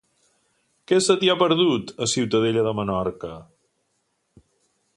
Què se t'hi ha perdut, a Ciutadella de Menorca?